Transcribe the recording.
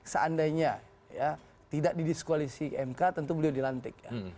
seandainya tidak didiskualisi mk tentu beliau dilantik